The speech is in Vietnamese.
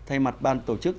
thay mặt ban tổ chức